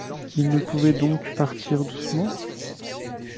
Ils ne pouvaient donc partir doucement ?